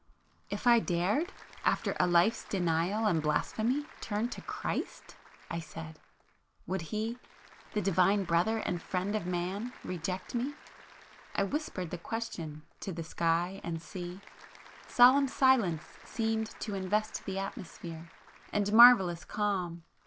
"If I dared,—after a life's denial and blasphemy,—turn to Christ!" I said—"Would He,—the Divine Brother and Friend of man,—reject me?" I whispered the question to the sky and sea, ... solemn silence seemed to invest the atmosphere, and marvellous calm.